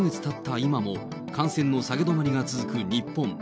今も、感染の下げ止まりが続く日本。